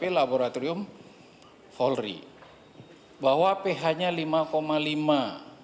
saya coba menganalisa dari ph lambung yang didapatkan dari bap